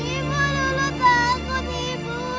ibu lulu takut ibu